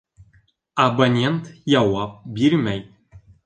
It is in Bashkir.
Абонент яуап бирмәй